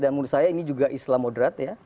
dan menurut saya ini juga islam moderat ya